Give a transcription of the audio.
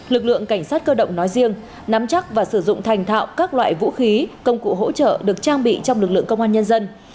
lực lượng cảnh sát cơ động nói riêng nắm chắc và sử dụng thành thạo các loại vũ khí công cụ hỗ trợ được trang bị trong lực lượng công an nhân dân